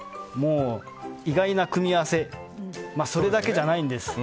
意外な組み合わせそれだけじゃないんです。